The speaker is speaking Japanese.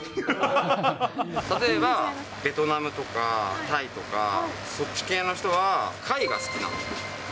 例えばベトナムとか、タイとか、そっち系の人は貝が好きなんですよ。